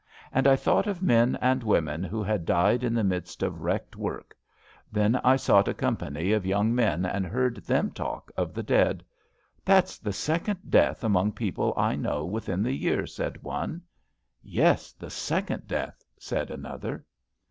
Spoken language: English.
And I thought of men and women who had died in A DEATH IN THE CAMP 235 the midst of wrecked work; then I sought a com pany of young men and heard them talk of the dead. That^s the second death among people I know within the year,'' said one. Yes, the second death/' said another.